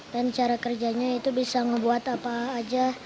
dan cara kerjanya itu bisa membuat apa aja